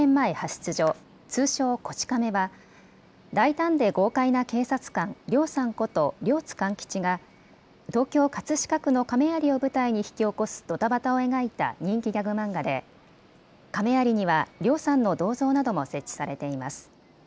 出所、通称、こち亀は、大胆で豪快な警察官、両さんこと両津勘吉が、東京・葛飾区の亀有を舞台に引き起こすドタバタを描いた人気ギャグ漫画で、亀有には両さんの銅像なども設置されています。